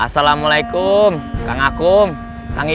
sampai jumpa lagi